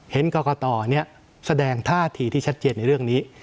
เห็นกรกตแสดงท่าทีที่ชัดเจนในเรื่องนี้